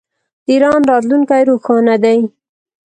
د ایران راتلونکی روښانه دی.